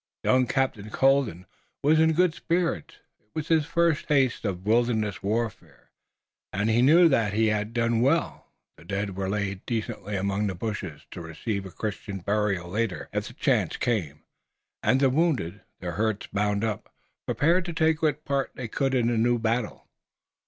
Young Captain Colden was in good spirits. It was his first taste of wilderness warfare, and he knew that he had done well. The dead were laid decently among the bushes to receive Christian burial later, if the chance came, and the wounded, their hurts bound up, prepared to take what part they could in a new battle.